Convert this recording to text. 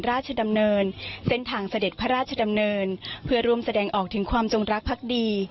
ราชดำเนินเส้นทางเสด็จพระราชดำเนินเพื่อร่วมแสดงออกถึงความจงรักพักดี